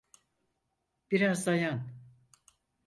Biraz dayan.